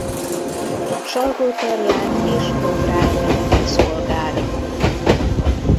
Salgótarján és Nógrád megye díszpolgára.